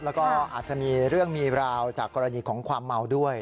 แล้วก็อาจจะมีเรื่องมีราวจากกรณีของความเมาด้วย